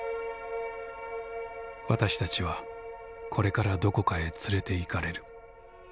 「私たちはこれからどこかへ連れていかれる。